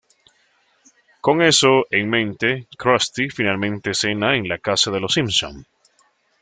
Con eso en mente, Krusty finalmente cena en la casa de los Simpson.